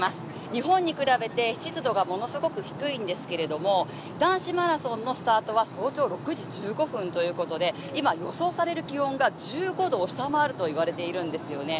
日本に比べて湿度がものすごく低いんですけれども、男子マラソンのスタートは早朝６時１５分ということで今、予想される気温が１５度を下回るといわれているんですよね。